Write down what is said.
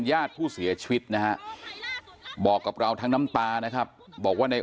ญาติผู้เสียชีวิตนะฮะบอกกับเราทั้งน้ำตานะครับบอกว่าใน